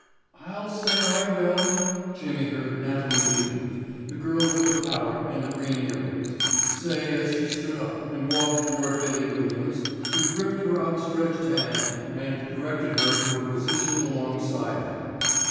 "I'll say I will," Jimmy heard Natalie Nugent, the girl with the pallor and the green earrings, say as she stood up and walked toward "Billy" Williams who gripped her outstretched hand and directed her to a position alongside him.